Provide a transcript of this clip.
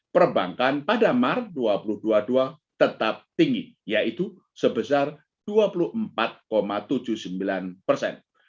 perbankan pada maret dua ribu dua puluh dua tetap tinggi yaitu sebesar dua puluh empat tujuh puluh sembilan persen